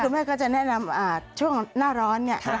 แม่ก็จะแนะนำช่วงหน้าร้อน